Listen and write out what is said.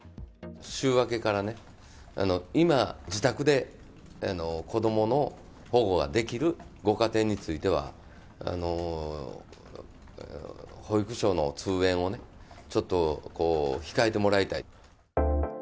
週明けからね、今、自宅で子どもの保護ができるご家庭については、保育所の通園をね、ちょっとこう、控えてもらいたい。